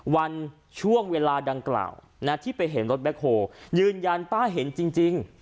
วันช่วงเวลาดังกล่าวนะที่ไปเห็นรถแบ็คโฮยืนยันป้าเห็นจริง